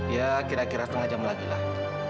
ya kira kira setengah jam lagi lah